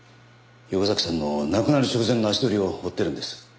横崎さんの亡くなる直前の足取りを追ってるんです。